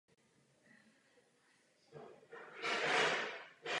V minulosti to byl předmět velkého zmatku.